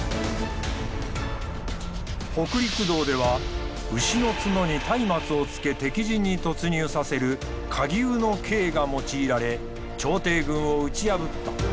北陸道では牛の角に松明をつけ敵陣に突入させる火牛の計が用いられ朝廷軍を打ち破った。